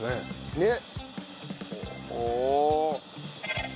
ねっ。